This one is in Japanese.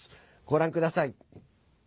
ご覧ください。